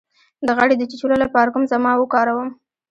د غڼې د چیچلو لپاره کوم ضماد وکاروم؟